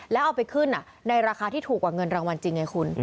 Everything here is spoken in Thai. แล้วเอาไปขึ้นในราคาที่ถูกกว่าเงินรางวัลจริงไงคุณ